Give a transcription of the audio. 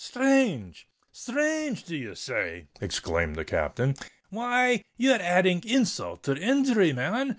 "Sthrange!—sthrange! do ye say?" exclaimed the Captain. "Why, ye're adding insult to injury, man.